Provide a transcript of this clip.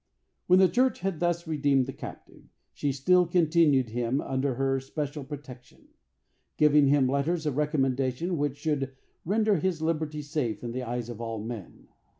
When the church had thus redeemed the captive, she still continued him under her special protection, giving him letters of recommendation which should render his liberty safe in the eyes of all men.